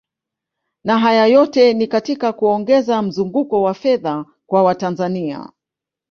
Na haya yote ni katika kuongeza mzunguko wa fedha kwa Watanzania